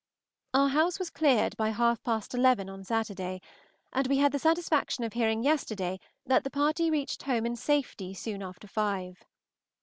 Our house was cleared by half past eleven on Saturday, and we had the satisfaction of hearing yesterday that the party reached home in safety soon after five.